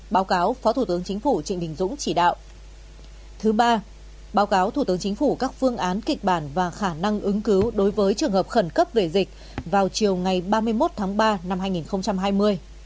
ba báo cáo thủ tướng chính phủ các phương án kịch bản và khả năng ứng cứu đối với trường hợp khẩn cấp về dịch vào chiều ngày ba mươi một tháng ba năm hai nghìn hai mươi